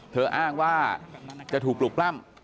เธออ้างว่าจะถูกปลุกล่ำ